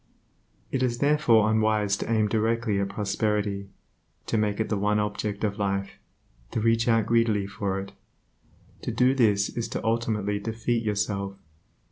It is therefore unwise to aim directly at prosperity, to make it the one object of life, to reach out greedily for it, To do this is to ultimately defeat yourself.